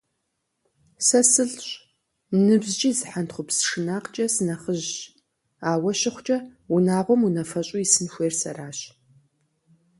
Сэ сылӏщ, ныбжькӏи зы хьэнтхъупс шынакъкӏэ сынэхъыжьщ, ауэ щыхъукӏэ, унагъуэм унафэщӏу исын хуейр сэращ.